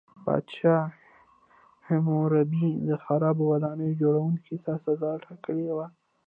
پادشاه هیمورابي د خرابو ودانیو جوړوونکو ته سزا ټاکلې وه.